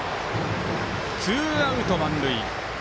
ツーアウト満塁。